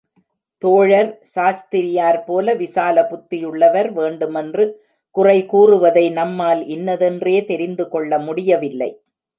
தோழர் சாஸ்திரியாரைப் போல விசால புத்தியுள்ளவர் வேண்டுமென்று குறை கூறுவதை, நம்மால் இன்னதென்றே தெரிந்து கொள்ள முடியவில்லை.